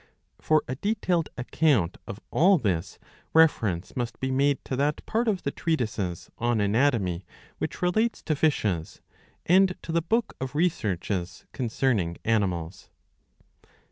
^* For a detailed account of all this, reference must be made to that part of the treatises on Anatomy which relates to fishes, and to the book of Researches concerning Animals.